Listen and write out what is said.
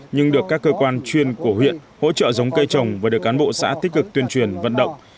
nhưng được các cơ quan chuyên của huyện hỗ trợ giống cây trồng và được cán bộ xã tích cực tuyên truyền vận động